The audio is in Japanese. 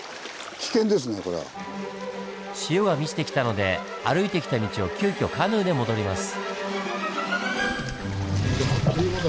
潮が満ちてきたので歩いてきた道を急きょカヌーで戻ります。